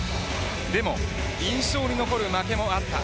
でも、印象に残る負けもあった。